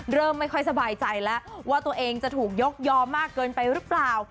เริ่มไม่ค่อยสบายใจแล้วว่าตัวเองจะถูกยกยอมมากเกินไปหรือเปล่า